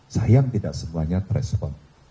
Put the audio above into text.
sayang tidak semuanya terespon